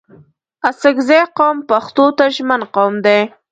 اڅګزي قوم پښتو ته ژمن قوم دی